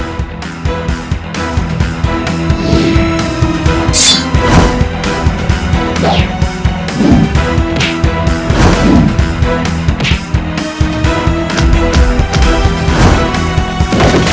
kau tidak mau melawanku